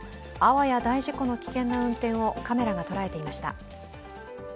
あわや大事故の危険な運転をカメラが捉えていました。